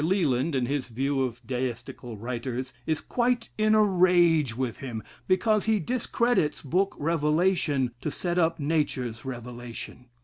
Leland, in his view of Deistical writers, is quite in a rage with him, because he discredits Book Revelation, to set up Nature's Revelation.